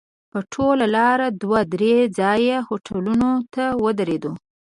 په ټوله لاره دوه درې ځایه هوټلونو ته ودرېدو.